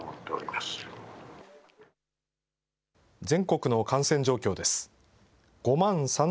全国の感染状況です。